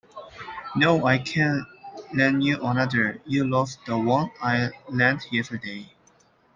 No, I can't lend you another. You lost the one I lent yesterday!